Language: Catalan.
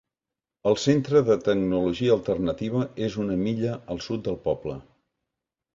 El Centre de Tecnologia Alternativa és una milla al sud del poble.